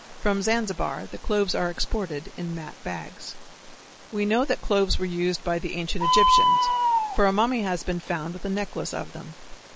From Zanzibar the cloves are exported in mat bags. We know that cloves were used by the ancient Egyptians, for a mummy has been found with a necklace of them.